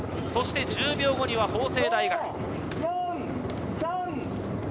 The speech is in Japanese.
そして１０秒後には法政大学。